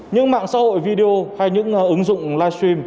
những mạng xã hội video hay những ứng dụng live stream